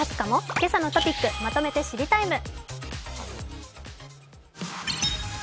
「けさのトピックまとめて知りＴＩＭＥ，」。